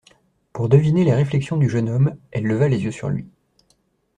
Pour deviner les réflexions du jeune homme, elle leva les yeux sur lui.